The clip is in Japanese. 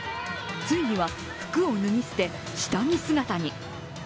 ついには服を脱ぎ捨て、下着姿に。